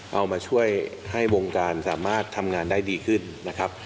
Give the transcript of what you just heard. เอามาช่วยให้วงการสามารถทำงานได้ดีขึ้นนะครับ